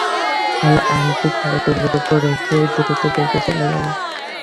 বলে আংটি খুলে টেবিলটার উপর রেখেই দ্রুতবেগে চলে গেল।